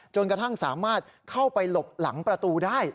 จนกระทั่งสามารถเข้าไปหลบหลังประตูได้